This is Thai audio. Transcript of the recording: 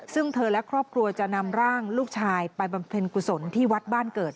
ซึ่งเธอและครอบครัวจะนำร่างลูกชายไปบำเพ็ญกุศลที่วัดบ้านเกิด